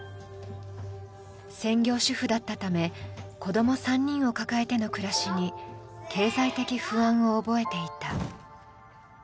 専業主婦だったため、子供３人を抱えての暮らしに経済的不安を覚えていた。